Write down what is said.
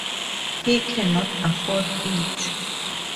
He cannot afford it.